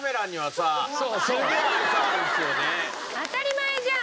当たり前じゃん。